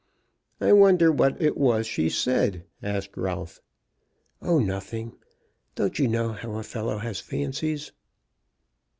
"I wonder what it was she said," asked Ralph. "Oh, nothing. Don't you know how a fellow has fancies?"